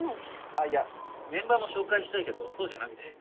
あっいやメンバーも紹介したいけどそうじゃなくて。